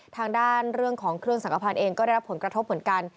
ทางด้านเรื่องของเครื่องสังกภัณฑ์เองก็ได้รับผลกระทบเหมือนกัน